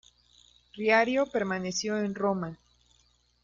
Riario permaneció en Roma.